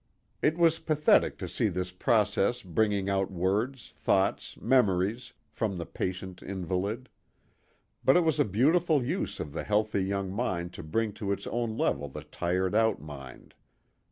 It was pathetic to see this process bringing out words, thoughts, memories from the patient invalid ; but it was a beautiful use of the healthy young mind to bring to its own level the tired out mind.